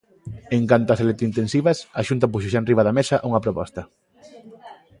En canto as electrointensivas, a Xunta puxo xa enriba da mesa unha proposta.